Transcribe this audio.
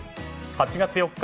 ８月４日